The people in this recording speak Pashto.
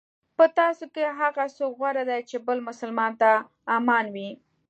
په تاسو کې هغه څوک غوره دی چې بل مسلمان په امان وي.